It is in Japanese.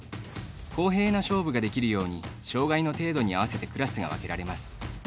公平な勝負ができるように障がいの程度に合わせてクラスが分けられます。